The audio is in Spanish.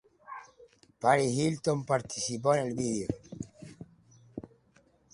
Perez Hilton participó en el vídeo.